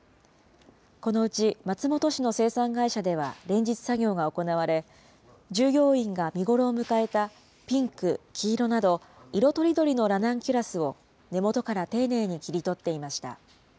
このうち松本市の生産会社では連日作業が行われ、従業員が見頃を迎えたピンク、黄色など、色とりどりのラナンキュラスを、根元から丁寧に切り取っていました。